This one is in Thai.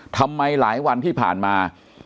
ทำไมหลายวันที่ผ่านมา